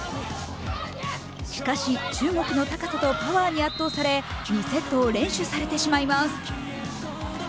しかし中国の高さとパワーに圧倒され２セットを連取されてしまいます。